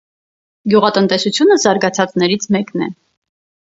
Գյուղատնտեսությունը զարգացածներից մեկն է։